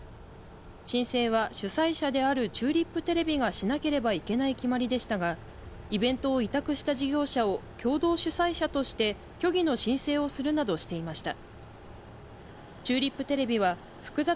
申請は主催者であるチューリップテレビがしなければいけない決まりでしたがイベントを委託した事業者を共同主催者として虚偽の申請をするなどしていました。